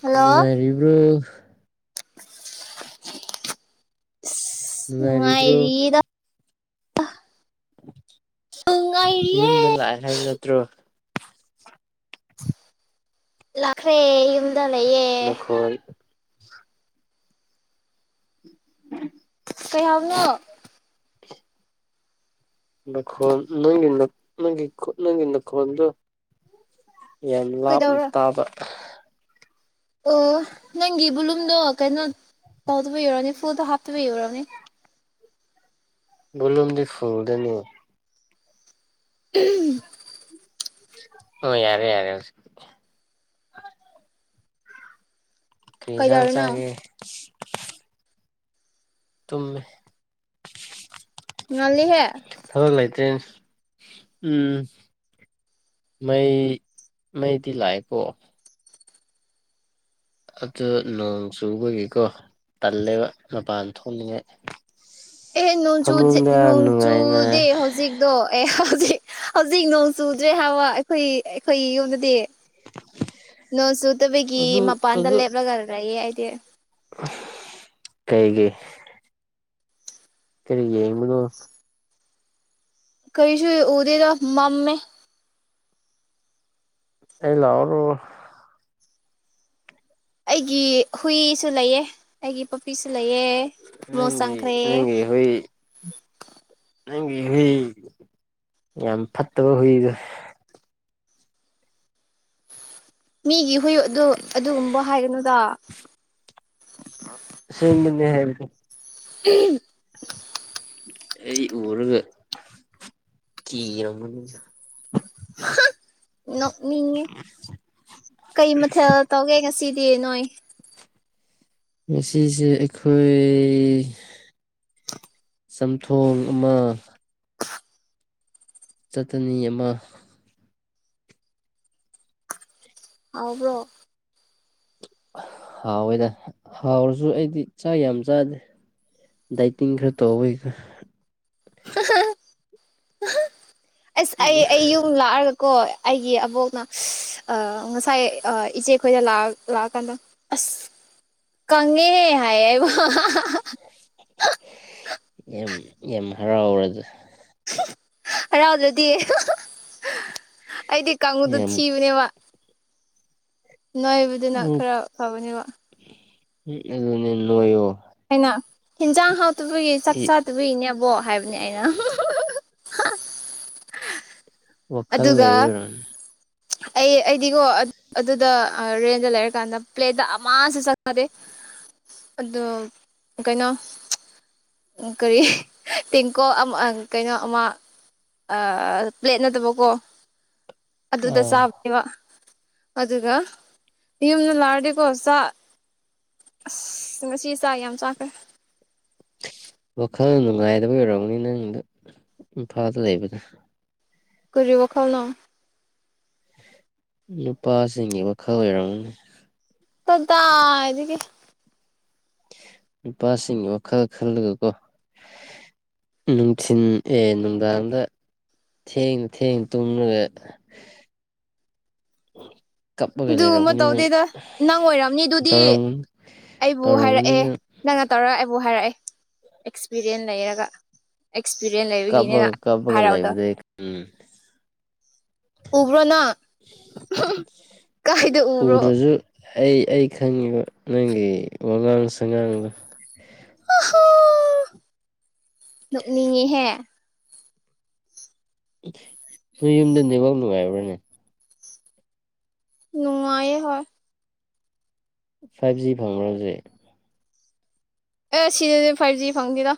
hello ꯅꯨꯡꯉꯥꯏꯔꯤꯕ꯭ꯔꯣ [inaudible] ꯅꯨꯡꯉꯥꯏꯔꯤꯕ꯭ꯔꯣ ꯅꯨꯡꯉꯥꯏꯔꯤꯌꯦꯗ ꯅꯨꯡꯉꯥꯏꯔꯤꯌꯦ ꯌꯨꯝꯗ ꯂꯥꯛꯑꯦ ꯍꯥꯏꯕ ꯅꯠꯇ꯭ꯔꯣ ꯂꯥꯛꯈ꯭ꯔꯦ ꯌꯨꯝꯗ ꯂꯩꯌꯦ ꯅꯈꯣꯟ [inaudible] [inaudible] ꯀꯩ ꯍꯥꯏꯕꯅꯣ ꯅꯪꯈꯣꯜ ꯅꯣꯏꯒꯤ ꯅꯪ ꯅꯪꯒꯤ ꯈꯨ ꯅꯪꯒꯤ ꯅꯈꯣꯟꯗꯨ ꯌꯥꯝ ꯂꯥꯞꯅ ꯀꯩꯗꯧꯔ ꯇꯥꯕ ꯑꯣ ꯅꯪꯒꯤ ꯕꯨꯂꯨꯝꯗꯣ ꯀꯩꯅꯣ ꯇꯧꯗꯕꯩ ꯑꯣꯏꯔꯝꯅꯤ ꯐꯨꯜꯇ ꯍꯥꯞ ꯇꯕꯩ ꯑꯣꯏꯔꯝꯅꯤ ꯕꯣꯂꯨꯝꯗꯤ ꯐꯨꯜꯗꯅꯤ ꯎꯍꯨꯝ ꯑꯣ ꯌꯥꯔꯦ ꯌꯥꯔꯦ ꯍꯧꯖꯤꯛꯇꯤ ꯀ꯭ꯔꯤ ꯍꯦꯟꯖꯥꯡ ꯀꯩꯗꯧꯔꯤꯅꯣ ꯆꯥꯒꯦ ꯇꯨꯝꯃꯦ ꯉꯜꯂꯤꯍꯦ ꯊꯕꯛ ꯂꯩꯇ꯭ꯔꯦ ꯎꯝ ꯃꯩ ꯃꯩꯇꯤ ꯂꯀꯑꯦꯀꯣ ꯑꯗꯨ ꯅꯣꯡ ꯆꯨꯕꯒꯤꯀꯣ ꯇꯜꯂꯦꯕ ꯃꯄꯥꯟ ꯊꯣꯛꯅꯤꯡꯉꯦ ꯑꯦ ꯅꯣꯡ ꯆꯨꯗꯦ ꯅꯣꯡ ꯅꯨꯡꯉꯥꯏꯅ ꯆꯨꯗꯦ ꯍꯧꯖꯤꯛꯇꯣ ꯑꯦ ꯍꯧꯖꯤꯛ ꯍꯧꯖꯤꯛ ꯅꯣꯡ ꯆꯨꯗ꯭ꯔꯦ ꯍꯥꯏꯕ ꯑꯩꯈꯣꯏ ꯑꯩꯈꯣꯏ ꯌꯨꯝꯗꯗꯤ ꯅꯣꯡ ꯆꯨꯠꯇꯕꯒꯤ ꯑꯗꯨ ꯃꯄꯥꯟꯗ ꯑꯗꯨ ꯂꯦꯞꯂꯒ ꯔꯩꯌꯦ ꯑꯩꯗꯤ ꯀꯩꯒꯤ ꯀꯔꯤ ꯌꯦꯡꯕꯅꯣ ꯀꯩꯁꯨꯨ ꯎꯗꯗꯣ ꯃꯝꯃꯦ ꯑꯩ ꯂꯥꯛꯑꯣꯔꯣ ꯑꯩꯒꯤ ꯍꯨꯏꯁꯨ ꯂꯩꯌꯦ ꯑꯩꯒꯤ ꯄꯄꯤꯁꯨ ꯂꯩ ꯅꯪꯒꯤ ꯅꯪꯉꯤ ꯍꯨꯏ ꯅꯪꯒꯤ ꯍꯨꯏ ꯌꯥꯝ ꯐꯠꯇꯕ ꯍꯨꯏꯗꯣ ꯃꯤꯒꯤ ꯍꯨꯏ ꯑꯗꯨ ꯑꯗꯨꯒꯨꯝꯕ ꯍꯥꯏꯒꯅꯨꯗ ꯑꯁꯦꯡꯕꯅꯦ ꯍꯥꯏꯕꯅꯦ ꯎꯝ ꯑꯩ ꯎꯔꯒ ꯀꯤꯔꯝꯒꯅꯤ ꯍꯥ ꯅꯣꯛꯅꯤꯡꯉꯦ ꯀꯩ ꯃꯊꯦꯜ ꯇꯧꯒꯦ ꯉꯁꯤꯗꯤ ꯅꯣꯏ ꯉꯁꯤꯁꯦ ꯑꯩꯈꯣꯏ ꯆꯝꯊꯣꯡ ꯑꯃ ꯆꯠꯇꯅꯤ ꯑꯃ ꯍꯥꯎꯕ꯭ꯔꯣ ꯍꯥꯎꯋꯦꯗ ꯍꯥꯎꯔꯁꯨ ꯑꯩꯗꯤ ꯆꯥꯛ ꯌꯥꯝ ꯆꯥꯗꯦ ꯗꯥꯢꯇꯤꯡ ꯈꯔ ꯇꯧꯕꯒꯤꯀꯣ ꯍꯥꯍꯥꯍꯥ ꯑꯍ ꯑꯁ ꯑꯩ ꯑꯩ ꯌꯨꯝ ꯂꯥꯛꯑꯒ ꯀꯣ ꯑꯩꯒꯤ ꯑꯕꯣꯛꯅ ꯑꯥ ꯉꯁꯥꯏ ꯑꯥ ꯏꯆꯦ ꯈꯣꯏꯗ ꯂꯑ ꯂꯥꯛꯑꯀꯥꯟꯗ ꯑꯁ [inaudible] ꯀꯪꯉꯦ ꯍꯥꯏꯌꯦ ꯑꯩꯕꯨ ꯑꯍꯍꯍ ꯌꯥꯝ ꯌꯥꯝ ꯍꯔꯥꯎꯔꯗ ꯍꯔꯥꯎꯗ꯭ꯔꯗꯤ ꯍꯍ ꯑꯩꯗꯤ ꯀꯥꯡꯕꯗꯨ ꯌꯥꯝ ꯊꯤꯕꯅꯦꯕ ꯅꯣꯏꯕꯗꯨꯅ ꯈꯔ ꯐꯕꯅꯦꯕ ꯎꯝ ꯑꯗꯨꯅꯦ ꯅꯣꯏꯌꯣ ꯑꯩꯅ ꯍꯤꯟꯖꯥꯡ ꯍꯥꯎꯇꯕꯒꯤ ꯆꯥꯛ ꯆꯥꯗꯕꯒꯤꯅꯦ ꯑꯕꯣꯛ ꯍꯥꯏꯕꯅꯦ ꯑꯩꯅ ꯍꯝꯍꯝ ꯍꯍ ꯋꯥꯈꯜ ꯑꯗꯨꯒ ꯂꯩꯕꯩ ꯑꯣꯏꯔꯝ ꯑꯩ ꯑꯩꯗꯤꯀꯣ ꯑꯗꯨꯗ ꯑꯥ ꯔꯦꯟꯗ ꯂꯩꯔꯀꯥꯟꯗ ꯄ꯭ꯂꯦꯠꯇ ꯑꯃꯁꯨ ꯆꯥꯛ ꯆꯥꯗꯦ ꯑꯗꯨ ꯀꯩꯅꯣ ꯑꯝ ꯀꯔꯤ ꯍ ꯇꯦꯡꯀꯣ ꯑꯝ ꯑꯪ ꯀꯩꯅꯣ ꯑꯃ ꯑꯥ ꯄ꯭ꯂꯦꯠ ꯅꯠꯇꯕ ꯀꯣ ꯑꯗꯨꯗ ꯑꯥ ꯆꯥꯕꯅꯦꯕ ꯑꯗꯨꯒ ꯌꯨꯝꯗ ꯂꯥꯛꯑꯗꯤꯀꯣ ꯆꯥꯛ ꯑꯁ ꯉꯁꯤ ꯆꯥꯛ ꯌꯥꯝ ꯆꯥꯈ꯭ꯔꯦ ꯋꯥꯈꯜ ꯅꯨꯡꯉꯥꯏꯗꯕꯩ ꯑꯣꯏꯔꯝꯅꯤ ꯅꯪꯗꯨ ꯏꯝꯐꯥꯜꯗ ꯂꯩꯕꯗꯨ ꯀꯔꯤ ꯋꯥꯈꯜꯅꯣ ꯅꯨꯄꯥꯁꯤꯡꯒꯤ ꯋꯥꯈꯜ ꯑꯣꯏꯔꯝꯒꯅꯤ ꯀꯗꯥꯏꯗꯒꯤ ꯅꯨꯄꯥꯁꯤꯡꯒꯤ ꯋꯥꯈꯜ ꯈꯜꯂꯒꯀꯣ ꯍ ꯅꯨꯡꯊꯤꯟ ꯑꯦ ꯅꯨꯡꯗꯥꯡꯗ ꯊꯦꯡ ꯊꯦꯡ ꯇꯨꯝꯔꯒ ꯍ [inaudible] ꯑꯗꯨꯒꯨꯝ ꯂꯩꯔꯝꯒꯅꯤ ꯅꯪ ꯇꯧꯗꯦꯗ ꯅꯪ ꯑꯣꯏꯔꯝꯅꯤ ꯑꯗꯨꯗꯤ ꯇꯧꯔꯝꯒꯅꯤ ꯑꯩꯕꯨ ꯇꯧꯔꯝꯒꯅꯤ ꯍꯥꯏꯔꯛꯑꯦ ꯅꯪ ꯅꯪꯅ ꯇꯧꯔꯒ ꯑꯩꯕꯨ ꯍꯥꯏꯔꯛꯑꯦ ꯑꯦꯛꯁꯄꯤꯔꯤꯌꯦꯟ ꯂꯩꯔꯒ ꯑꯦꯛꯁꯄꯤꯔꯤꯌꯦꯟꯁ ꯂꯩꯕꯒꯤꯅꯦꯅ ꯀꯞꯄꯒ ꯀꯞꯄꯒ ꯍꯥꯏꯔꯥꯎꯗꯣ ꯂꯩꯕꯗꯩ ꯎꯝ ꯎꯕ꯭ꯔꯣꯅ ꯑꯍꯝꯍꯝ ꯀꯥꯏꯗ ꯎꯕ꯭ꯔꯣ ꯎꯗ꯭ꯔꯁꯨ ꯑꯩ ꯑꯩ ꯈꯪꯉꯤꯕ ꯅꯪꯒꯤ ꯋꯥꯉꯥꯡ ꯁꯉꯥꯡꯗꯣ ꯍꯥ ꯅꯣꯛꯅꯤꯡꯉꯦꯍꯦ ꯅꯣꯏ ꯌꯨꯝꯗ ꯅꯦꯠꯋꯥꯔꯛ ꯅꯨꯡꯉꯥꯏꯕ꯭ꯔꯅꯦ ꯅꯨꯡꯉꯥꯏꯌꯦ ꯍꯣꯏ ꯐꯥꯏꯚ ꯖꯤ ꯐꯪꯕ꯭ꯔ ꯍꯧꯖꯤꯛ ꯑꯦ ꯁꯤꯗꯗꯤ ꯐꯥꯏꯚ ꯖꯤ ꯐꯪꯗꯦꯗ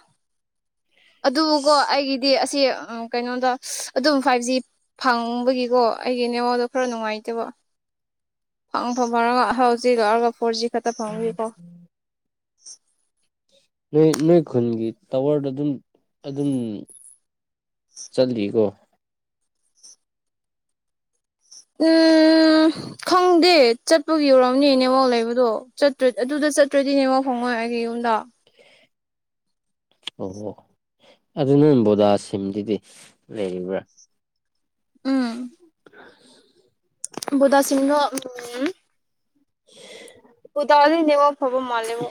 ꯑꯗꯨꯀꯣ ꯏꯁ ꯑꯩꯒꯤꯗꯤ ꯑꯁꯤ ꯑꯥ ꯀꯩꯅꯣꯗ ꯑꯗꯨꯝ ꯐꯥꯏꯚ ꯖꯤ ꯐꯪꯕꯒꯤꯀꯣ ꯑꯩꯒꯤ ꯅꯦꯠꯋꯥꯛꯗꯣ ꯈꯔ ꯅꯨꯡꯉꯥꯏꯇꯦꯕ [inaudible] ꯐꯪ ꯐꯪ ꯐꯪꯔꯒ ꯍꯧꯖꯤꯛ ꯂꯥꯛꯔꯒ ꯐꯣꯔꯖꯤ ꯈꯠꯇ ꯐꯪꯕꯒꯤꯀꯣ ꯅꯣꯏ ꯅꯣꯏ ꯈꯨꯟꯒꯤ ꯇꯋꯔꯗ ꯑꯗꯨꯝ ꯑꯗꯨꯝ ꯆꯠꯂꯤꯀꯣ ꯎꯝ ꯎꯝ ꯈꯪꯗꯦ ꯆꯠꯄꯒꯤ ꯑꯣꯏꯔꯝꯅꯦ ꯅꯦꯋꯥꯛ ꯂꯩꯕꯗꯣ ꯆꯠꯇ꯭ꯔꯗꯤ ꯑꯗꯨꯗ ꯆꯠꯇ꯭ꯔꯗꯤ ꯅꯦꯋꯥꯛ ꯐꯪꯑꯣꯏ ꯍꯣꯏ ꯑꯩꯒꯤ ꯌꯨꯝꯗ ꯑꯣ ꯑꯣ ꯑꯗꯨꯅꯪ ꯕꯣꯗꯥ ꯁꯤꯝꯗꯨꯗꯤ ꯂꯩꯔꯤꯕ꯭ꯔꯥ [unintelligible] ꯕꯣꯗꯥ ꯁꯝꯗꯣ ꯎꯝ [unintelligible] ꯕꯣꯗꯗꯤ ꯅꯦꯠ ꯋꯥꯛ ꯐꯕ ꯃꯟꯂꯦꯕꯣ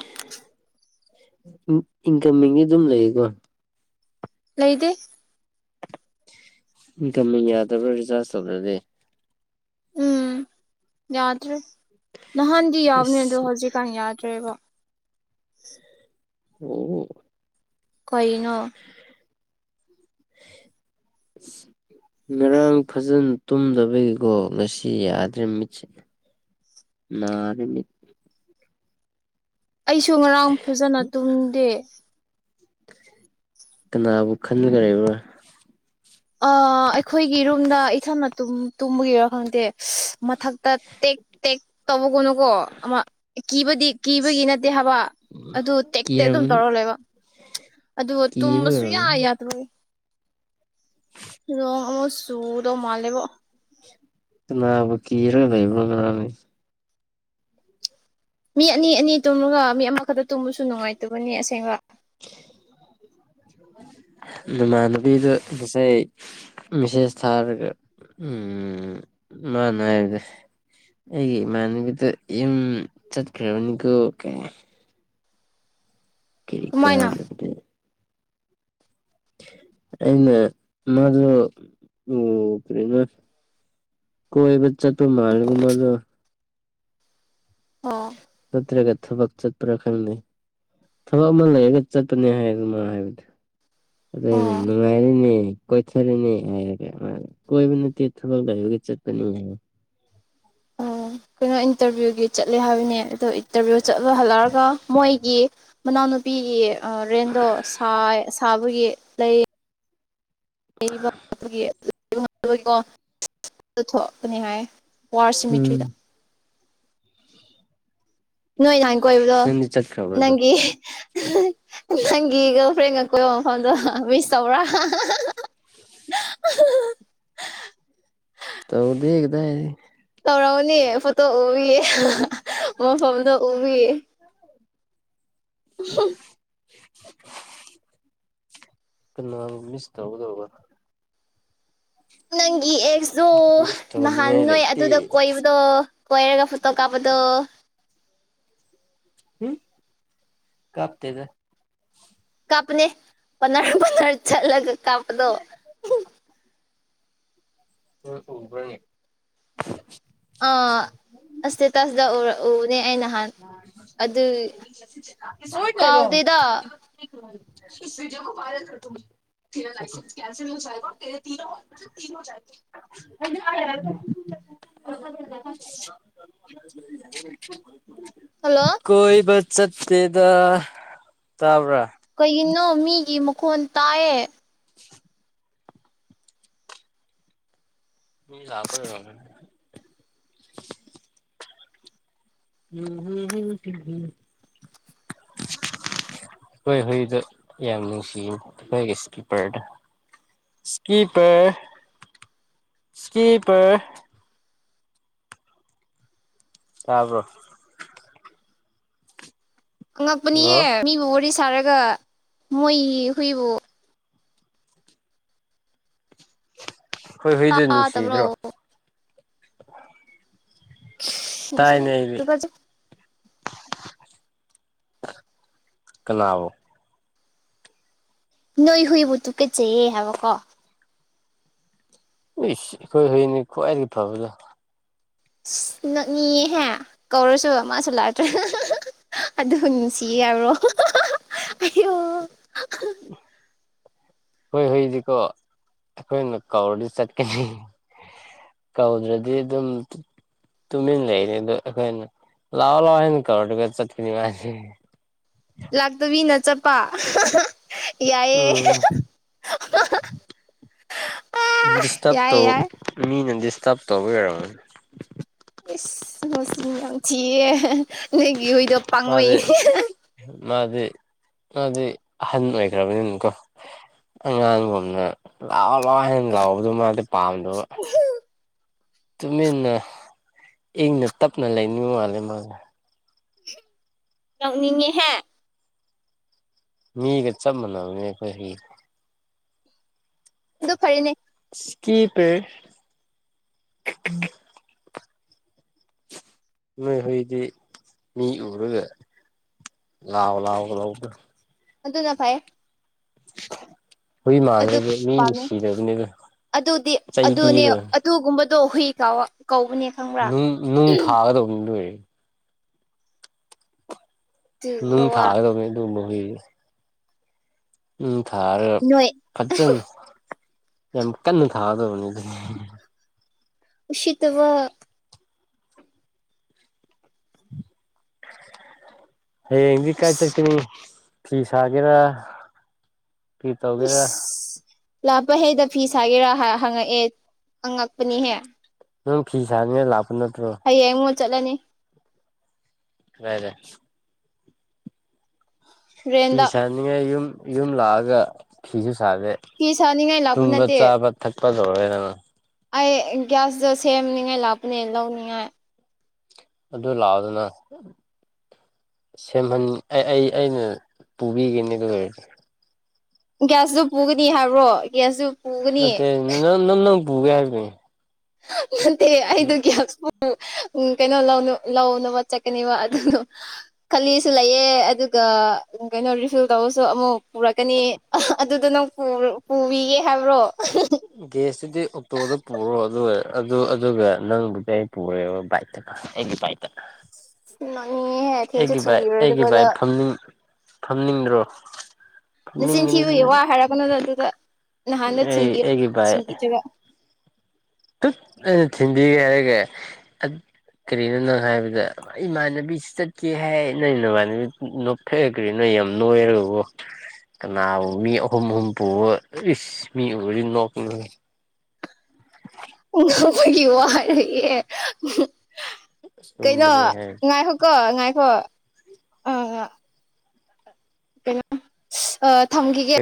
ꯏꯟ ꯏꯟꯀꯝꯃꯤꯡꯗꯤ ꯑꯗꯨꯝ ꯂꯩꯌꯦꯀꯣ ꯂꯩꯇꯦ ꯏꯟꯀꯝꯃꯤꯡ ꯌꯥꯗꯕ꯭ꯔꯥ ꯔꯤꯆꯥꯔꯖ ꯇꯧꯗꯔꯗꯤ ꯎꯝ ꯌꯥꯗꯔꯦ ꯅꯍꯥꯟꯗꯤ ꯌꯥꯎꯕꯅꯦ ꯑꯗꯣ ꯑꯁ ꯍꯧꯖꯤꯛꯀꯥꯟ ꯌꯥꯗ꯭ꯔꯦꯕ ꯑꯍꯨ ꯀꯩꯅꯣ [inaudible] ꯉꯔꯥꯡ ꯐꯖꯅ ꯇꯨꯝꯗꯕꯒꯤꯀꯣ ꯉꯁꯤ ꯌꯥꯗ꯭ꯔꯦ ꯃꯤꯠꯁꯦ ꯅꯔꯦ ꯃꯤꯠ ꯑꯩꯁꯨ ꯉꯔꯥꯡ ꯐꯖꯅ ꯇꯨꯝꯗꯦ ꯀꯅꯥꯕꯨ ꯈꯟꯂꯒ ꯂꯩꯕꯔꯥ ꯑ ꯑꯩꯈꯣꯏꯒꯤ ꯔꯨꯝꯗ ꯏꯊꯟꯅ ꯇꯨꯝ ꯇꯨꯝꯕꯒꯤꯔ ꯈꯪꯗꯦ ꯃꯊꯛꯇ ꯇꯦꯛ ꯇꯦꯛ ꯇꯧꯕꯒꯨꯝꯅ ꯀꯣ ꯑꯃ ꯀꯤꯕꯗꯤ ꯀꯤꯕꯒꯤ ꯑꯁ ꯅꯠꯇꯦ ꯊꯕ ꯑꯗꯨ ꯇꯦꯛꯇꯦ ꯑꯗꯨꯝ ꯀꯤꯔꯝꯒꯅꯤ ꯇꯧꯔ ꯂꯩꯕ ꯑꯗꯨꯒ ꯇꯨꯝꯕ ꯀꯤꯕ ꯁꯨꯌꯥ ꯑꯣꯏꯔꯝꯒꯅꯤ ꯌꯥꯗꯕꯅꯦ ꯅꯣꯡ ꯍꯣ ꯆꯨꯒꯗꯕ ꯃꯟꯂꯦꯕꯣ ꯀꯅꯕꯨ ꯀꯤꯔꯒ ꯂꯩꯕꯔ ꯅꯪ ꯃꯤ ꯑꯅꯤ ꯑꯅꯤ ꯇꯨꯝꯃꯒ ꯃꯤ ꯑꯃꯈꯛꯇ ꯇꯨꯝꯕꯁꯨ ꯅꯨꯡꯉꯥꯏꯇꯕꯅꯤ ꯑꯁꯦꯡꯕ [unintelligible] ꯅꯃꯥꯟꯅꯕꯤꯗꯣ ꯉꯁꯥꯏ ꯃꯦꯁꯦꯁ ꯊꯥꯔꯒ ꯎꯝ ꯃꯅꯥꯔꯦ ꯑꯩꯒꯤ ꯏꯃꯥꯅꯦꯕꯤꯗꯣ ꯌꯨꯝ ꯆꯠꯈꯔꯕꯅꯤꯀꯣ ꯀꯥꯢ ꯀꯔꯤ ꯀꯃꯥꯏꯅ ꯀꯟꯅꯕꯗ ꯑꯩꯅ ꯃꯥꯖꯨ ꯎꯝ ꯀꯔꯤꯔꯥ ꯀꯣꯏꯕ ꯆꯠꯄ ꯃꯟꯂꯦꯕ ꯃꯗꯣ ꯑꯣ ꯅꯠꯇ꯭ꯔꯒ ꯊꯕꯛ ꯆꯠꯄ꯭ꯔꯥ ꯈꯪꯗꯦ ꯊꯕꯛ ꯑꯃ ꯂꯩꯔꯒ ꯆꯠꯄꯅꯦ ꯍꯥꯏꯕꯅꯦ ꯃꯥ ꯍꯥꯏꯕꯗꯤ ꯑꯗꯨꯅꯦ ꯑꯣ ꯅꯨꯡꯉꯥꯏꯔꯦꯅꯦ ꯀꯣꯏꯊꯔꯅꯦ ꯍꯥꯏꯌꯦꯕꯀꯣ ꯀꯣꯏꯕ ꯅꯠꯇꯦ ꯊꯕꯛ ꯂꯩꯕꯒꯤ ꯆꯠꯄꯅꯤ ꯍꯥꯏꯌꯦ [inaudible] ꯑꯣ ꯀꯩꯅꯣ ꯏꯟꯇꯔꯚꯤꯌꯨꯒꯤ ꯆꯠꯂꯦ ꯍꯥꯏꯕꯅꯦ ꯑꯗꯣ ꯏꯟꯇꯔꯚꯤꯌꯨ ꯆꯠꯂꯨ ꯍꯜꯂꯛꯔꯒ ꯃꯣꯏꯒꯤ ꯃꯅꯥꯛ ꯅꯨꯄꯤꯒꯤ ꯑ ꯔꯦꯟꯗꯣꯥ ꯁꯥꯢ ꯁꯥꯕꯒꯤ ꯂꯩ ꯂꯩꯕ ꯑꯗꯨꯒꯤ [unintelligible] ꯑꯗꯨ ꯊꯣꯛꯄꯅꯤ ꯍꯥꯏ ꯋꯥꯔ ꯎꯝ ꯁꯤꯃꯤꯇ꯭ꯔꯤꯗ ꯅꯣꯏ ꯅꯥꯍꯟ ꯀꯣꯏꯕꯗꯣ ꯅꯪꯗꯤ ꯆꯠꯈ꯭ꯔꯕ꯭ꯔꯗꯣ ꯅꯪꯒꯤ ꯅꯪꯒꯤ ꯒꯔꯜ ꯐ꯭ꯔꯦꯟꯒ ꯀꯣꯏꯕ ꯃꯐꯝꯗꯣ ꯃꯤꯁ ꯇꯧꯕꯔꯥ [inaudible] ꯇꯧꯗꯦ ꯍꯦ ꯀꯗꯥꯢꯗꯒꯤ ꯇꯧꯔꯝꯒꯅꯤ ꯐꯣꯇꯣ ꯎꯕꯤꯌꯦ ꯃꯐꯝꯗꯣ ꯎꯕꯒꯤ ꯎꯝꯍꯨꯝ [inaudible] ꯀꯅꯥꯕꯨ ꯃꯤꯁ ꯇꯧꯒꯗꯣꯕ ꯅꯪꯒꯤ ꯑꯦꯛꯇꯨ ꯃꯤꯁ ꯅꯍꯥꯟ ꯇꯧꯅꯤꯡꯉꯥꯏ ꯅꯣꯏ ꯂꯩꯇꯦ ꯑꯗꯨꯗ ꯀꯣꯏꯕꯗꯣ ꯀꯣꯏꯔꯒ ꯐꯣꯇꯣ ꯀꯥꯞꯄ ꯗꯣ [inaudible] ꯍꯨꯝ ꯀꯥꯞꯇꯦꯗ ꯀꯞꯄꯅꯦ ꯄꯅꯔ ꯄꯅꯔ ꯆꯂꯒ ꯀꯥꯞꯄꯗꯣ ꯅꯣꯢ ꯎꯕ꯭ꯔꯥꯅꯦ ꯑꯥ ꯑ ꯁ꯭ꯇꯥꯇꯁꯇ ꯎꯕꯅꯦ ꯑꯩ ꯅꯍꯥꯟ ꯑꯗꯨ ꯀꯥꯎꯗꯦ ꯗꯦꯗ [unintelligible] [unintelligible] [unintelligible] [unintelligible] ꯍꯜꯂꯣ ꯀꯣꯏꯕ ꯆꯠꯇꯦꯗ ꯇꯥꯕ꯭ꯔꯥ ꯀꯩꯒꯤꯅꯣ ꯃꯤꯒꯤ ꯃꯈꯣꯟ ꯇꯥꯏꯌꯦ ꯃꯤ ꯂꯛꯄꯒꯤ ꯑꯣꯢꯔꯝꯒꯅꯤ ꯎꯝ ꯍꯨ ꯎꯝ ꯍꯨꯝ ꯑꯩꯈꯣꯏ ꯍꯨꯏꯗꯣ ꯌꯥꯝ ꯅꯨꯡꯁꯤꯅꯤ ꯑꯩꯈꯣꯏꯒꯤ ꯏꯁꯀꯤꯞꯄꯔꯗꯣ ꯏꯁꯀꯤꯄꯔ ꯢꯁꯀꯤꯄꯔ ꯇꯥꯕ꯭ꯔꯣ ꯍꯜꯂꯣ ꯑꯉꯛꯄꯅꯤꯍꯦ ꯃꯤꯕꯨ ꯋꯥꯔꯤ ꯁꯥꯔꯒ ꯃꯣꯏꯒꯤ ꯍꯨꯏꯕꯨ ꯈꯣꯏ ꯍꯨꯏꯗꯣ ꯇꯥꯗꯕ꯭ꯔꯣ ꯅꯨꯡꯁꯤꯗ꯭ꯔꯣ ꯇꯥꯏꯅꯦ [unintelligible] ꯑꯩꯗꯤ ꯇꯨꯒꯖꯩ ꯀꯅꯕꯣ ꯅꯣꯏ ꯍꯨꯏꯕꯨ ꯇꯨꯀꯠ ꯆꯩꯌꯦ ꯍꯥꯏꯕꯀꯣ ꯏꯁ ꯑꯩꯈꯣꯏ ꯍꯨꯏꯅꯤ ꯈ꯭ꯋꯥꯏꯗꯒꯤ ꯐꯕꯗꯣ ꯅꯛꯅꯤꯌꯦꯍꯦ ꯀꯧꯔꯁꯨ ꯃꯥꯁꯨ ꯂꯥꯛꯇꯔꯒ ꯑꯗꯨ ꯅꯨꯡꯁꯤ ꯌꯥꯕꯔꯣ ꯍꯥ ꯍꯥ ꯍꯥ ꯑꯌꯣ [inaudible] ꯍꯣꯏ ꯍꯩꯏꯗꯤꯀꯣ ꯑꯩꯈꯣꯏꯅ ꯀꯧꯔꯗꯤ ꯆꯠꯀꯅꯤ ꯀꯧꯗ꯭ꯔꯗꯤ ꯑꯗꯨꯝ ꯇꯨꯃꯤꯟ ꯂꯩꯔꯦ ꯑꯗꯣ ꯑꯩꯈꯣꯏꯅ ꯂꯥꯛꯑꯣ ꯂꯥꯎꯑꯣ ꯍꯥꯏꯅ ꯀꯧꯔꯗꯤ ꯆꯠꯀꯅꯤ ꯃꯥꯗꯤ ꯂꯥꯛꯇꯕꯤꯅ ꯆꯠꯄ ꯍꯥ ꯍꯥ ꯌꯥꯏꯌꯦ ꯎꯝ ꯍꯥ ꯍꯥ ꯍꯥ ꯍꯥ ꯗꯤꯁꯇꯔꯕ ꯇꯧ ꯃꯤꯅ ꯗꯤꯁꯇꯔꯕ ꯇꯧꯕꯩ ꯑꯣꯏꯔꯝꯒꯅꯤ ꯏꯁ ꯃꯁꯤꯡ ꯌꯥꯝ ꯊꯤꯌꯦ ꯅꯣꯢꯒꯤ ꯍꯨꯢ ꯃꯥꯗꯤ ꯃꯥꯗꯤ ꯃꯗꯤ ꯑꯍꯟ ꯑꯣꯏꯈ꯭ꯔꯕꯅꯤꯅꯀꯣ ꯑꯉꯥꯡꯒꯨꯝꯅ ꯂꯥꯛꯑꯣ ꯂꯥꯛꯑꯣ ꯍꯥꯏꯅ ꯂꯥꯎꯕꯗꯨ ꯃꯥꯗꯤ ꯄꯥꯝꯗꯕ ꯇꯨꯃꯤꯟꯅ ꯏꯪꯅ ꯇꯞꯅ ꯂꯩꯅꯤꯡ ꯃꯥꯜꯂꯦ ꯃꯥꯁꯦ ꯅꯣꯛꯅꯤꯡꯉꯦꯍꯦ ꯃꯤꯒ ꯆꯞ ꯃꯅꯕꯅꯦ ꯑꯩꯈꯣꯢ ꯍꯨꯢꯗꯣ ꯑꯗꯨ ꯐꯔꯦꯅꯦ ꯀꯤꯄꯔ ꯅꯣꯏ ꯍꯣꯏꯗꯤ ꯃꯤ ꯎꯔꯒ ꯂꯥꯎ ꯂꯥꯎ ꯂꯥꯎꯕꯗꯨ ꯑꯗꯨꯅ ꯐꯩꯌꯦ [inaudible] ꯍꯨꯏ ꯃꯥꯟꯅꯩꯗ ꯃꯤ ꯄꯥꯝꯃꯦ ꯅꯨꯡꯁꯤꯗꯕꯅꯤꯗ ꯆꯩ ꯄꯤꯒꯔꯦ ꯗꯣ ꯍꯨꯏ ꯀꯥꯋꯥ ꯀꯧꯕꯅꯦ ꯈꯪꯕ꯭ꯔꯥ ꯅꯨꯡ ꯊꯥꯒꯗꯕꯅꯤ ꯑꯗꯨ ꯑꯣꯏꯔꯗꯤ ꯑꯗꯨꯒꯨꯝꯕ ꯅꯨꯡ ꯋꯥ ꯊꯥꯒꯗꯧꯅꯦ ꯑꯗꯨꯝꯕ ꯍꯨꯏꯗꯨꯗꯤ ꯅꯨꯡ ꯊꯔꯒ ꯅꯣꯏ ꯐꯠꯖꯅ ꯌꯥꯝ ꯀꯟꯅ ꯊꯥꯗꯧꯕꯅꯤ ꯑꯗꯨ ꯎꯁꯤꯠꯇꯕ ꯍꯌꯦꯡꯗꯤ ꯀꯥꯏ ꯏꯁ ꯆꯠꯀꯅꯤ ꯐꯤ ꯁꯥꯒꯦꯔꯥ ꯀ꯭ꯔꯤ ꯇꯧꯒꯦꯔꯥ ꯂꯥꯛꯄ ꯍꯦꯛꯗ ꯐꯤ ꯁꯥꯒꯦꯔꯥ ꯍꯥ ꯍꯪꯉꯛꯑꯦ ꯑꯉꯛꯄꯅꯤꯍꯦ ꯅꯪ ꯐꯤꯁꯥꯅꯤꯡꯉꯥꯏ ꯂꯥꯛ ꯍꯌꯦꯡꯃꯨꯛ ꯆꯠꯂꯅꯤ ꯀꯗꯥꯏꯗ ꯐꯤ ꯔꯦꯟꯗ ꯁꯥꯅꯤꯡꯉꯥꯏ ꯌꯨꯝ ꯌꯨꯝ ꯂꯥꯛꯑꯒ ꯐꯤꯖꯨ ꯁꯥꯥꯗꯦ ꯐꯤ ꯁꯥꯅꯤꯡꯉꯥꯏ ꯂꯥꯛꯄ ꯇꯨꯝꯕ ꯅꯠꯇꯦ ꯆꯥꯕ ꯊꯛꯄ ꯂꯣꯏꯔꯦꯗꯅ ꯑꯩ ꯒ꯭ꯌꯥꯁꯇꯣ ꯁꯦꯝꯅꯤꯡꯉꯥꯏ ꯂꯥꯛꯄꯅꯦ ꯂꯧꯅꯤꯡꯉꯥꯏ ꯑꯗꯨ ꯂꯥꯛꯑꯣꯗꯅꯥ ꯁꯦꯝꯍꯟ ꯑꯦ ꯑꯩ ꯑꯩꯅ ꯄꯨꯕꯤꯒꯅꯤ ꯑꯗꯨ ꯑꯣꯏꯔꯗꯤ ꯒ꯭ꯌꯥꯁꯁꯨ ꯄꯨꯒꯅꯤ ꯍꯥꯏꯕ꯭ꯔꯣ ꯒ꯭ꯌꯥꯁꯁꯨꯨ ꯅꯠꯇꯦ ꯅ ꯅꯪ ꯅꯪ ꯄꯨꯒꯦ ꯍꯥꯏꯕꯅꯤ ꯅꯠꯇꯦ ꯑꯩꯗꯣ ꯒ꯭ꯌꯥꯁ ꯄꯨ ꯎꯝ ꯀꯩꯅꯣ ꯂꯧꯅ ꯂꯧꯅꯥꯕ ꯆꯠꯀꯅꯦꯕ ꯑꯗꯨꯗꯣ ꯈꯜꯂꯤꯁꯨ ꯂꯩꯌꯦ ꯑꯗꯨ ꯒꯥ ꯀꯩꯅꯣ ꯔꯤꯐꯤꯜ ꯇꯧꯕꯁꯨ ꯑꯃꯨꯛ ꯄꯨꯔꯛꯀꯅꯤ ꯑꯥ ꯑꯗꯨꯗꯣ ꯅꯪ ꯄꯨꯕ ꯄꯨꯕꯤꯒꯦ ꯍꯥꯏꯕ꯭ꯔꯣ ꯒꯦꯁꯇꯧꯗꯤ ꯑꯣꯛꯇꯣꯗ ꯄꯨꯔꯣ ꯑꯗꯨꯒ ꯑꯗꯨ ꯑꯗꯨꯒ ꯅꯪꯕꯨꯗꯤ ꯑꯩ ꯄꯨꯔꯦꯕ ꯕꯥꯏꯛꯇꯅ ꯑꯩꯒꯤ ꯕꯥꯏꯛꯇ ꯅꯣꯛꯅꯤꯡꯉꯦꯍꯦ ꯊꯦꯟꯁꯨ ꯑꯩꯒꯤ ꯚꯥꯏꯛ ꯑꯩꯒꯤ ꯊꯤꯟꯕꯤꯔꯣꯏꯗꯕꯗ ꯚꯥꯏꯛ ꯐꯝꯅꯤꯡ ꯐꯝꯅꯤꯡꯗ꯭ꯔꯣ ꯅꯆꯤꯟ ꯐꯝꯅꯤꯡꯒꯅꯤꯗ ꯊꯤꯕꯩ ꯅꯪ ꯋꯥ ꯍꯥꯏꯔꯛꯀꯅꯨꯗ ꯑꯗꯨꯗ ꯅꯍꯥꯟꯗ ꯑꯩ ꯊꯤꯟꯕꯤꯑꯣ ꯑꯩꯒꯤ ꯕꯥꯏꯛ ꯊꯤꯟꯕꯤꯗ꯭ꯔꯒ ꯇꯨꯠ ꯑꯩꯅ ꯊꯤꯟꯕꯤꯒꯦ ꯍꯥꯏꯔꯒꯥ ꯀꯔꯤꯅꯣ ꯅꯪ ꯍꯥꯏꯕꯗꯥ ꯏꯃꯥꯟꯅꯕꯤꯁꯨ ꯆꯠꯀꯦ ꯍꯥꯏ ꯅꯣꯏ ꯅꯃꯥꯟꯅꯕꯤ ꯅꯣꯞꯊꯒ꯭ꯔꯦ ꯅꯣꯏ ꯌꯥꯝ ꯅꯣꯏꯔꯒꯀꯣ ꯀꯅꯥꯕꯨ ꯃꯤ ꯑꯍꯨꯝ ꯑꯍꯨꯝ ꯄꯨꯕ ꯏꯁ ꯃꯤ ꯎꯔꯗꯤ ꯅꯣꯛꯅ ꯎꯝ ꯅꯣꯏꯒꯤ ꯋꯥ ꯍꯥꯏꯔꯛꯑꯦ ꯎꯍꯨꯝ ꯀꯩꯅꯣ ꯑꯆꯨꯝꯕꯅꯦ ꯍꯥꯏ ꯉꯥꯏꯈꯣꯀꯣ ꯉꯥꯏꯈꯣ ꯑꯥ ꯀꯩꯅꯣ ꯑꯥ ꯊꯝꯈꯤꯒꯦ